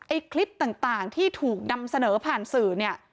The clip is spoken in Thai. ไอ้คลิปต่างที่ถูกดำเสนอผ่านสื่อ